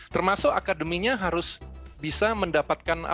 termasuk akademinya harus bisa mendapatkan